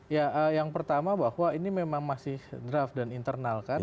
ya yang pertama bahwa ini memang masih draft dan internal kan